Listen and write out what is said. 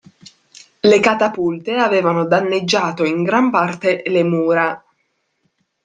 Le catapulte avevano danneggiato in gran parte le mura.